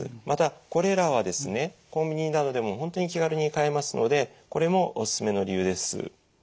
またこれらはですねコンビニなどでも本当に気軽に買えますのでこれもおすすめの理由です。